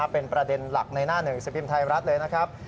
เป็นประเด็นหลักในหน้าหนึ่งสิบพิมพ์ไทยรัฐเลยนะครับ